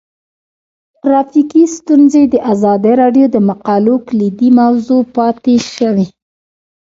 ټرافیکي ستونزې د ازادي راډیو د مقالو کلیدي موضوع پاتې شوی.